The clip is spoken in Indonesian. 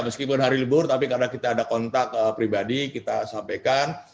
meskipun hari libur tapi karena kita ada kontak pribadi kita sampaikan